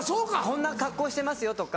こんな格好してますよとか。